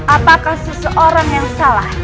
apakah seseorang yang salah